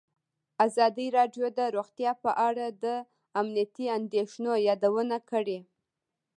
ازادي راډیو د روغتیا په اړه د امنیتي اندېښنو یادونه کړې.